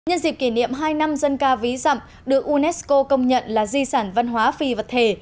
nhân dịp kỷ niệm hai năm dân ca ví dặm được unesco công nhận là di sản văn hóa phi vật thể